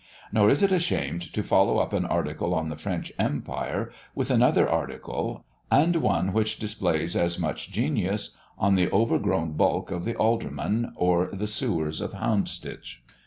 Nor is it ashamed to follow up an article on the French empire, with another article, and one which displays as much genius, on the overgrown bulk of the Aldermen, or the sewers of Houndsditch.